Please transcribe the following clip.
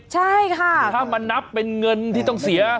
ใช่ค่ะถ้ามานับเป็นเงินที่ต้องเสีย